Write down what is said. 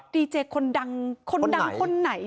ดีเจคนดังคนไหน